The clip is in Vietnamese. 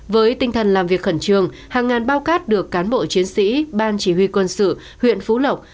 với tinh thần làm việc khẩn trương hàng ngàn bao cát được cán bộ chiến sĩ ban chỉ huy quân sự huyện phú lộc